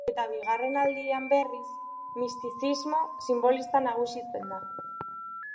Eta bigarren aldian, berriz, mistizismo sinbolista nagusitzen da.